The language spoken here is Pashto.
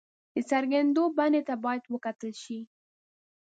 د څرګندېدو بڼې ته باید وکتل شي.